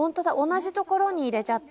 同じところに入れちゃってる。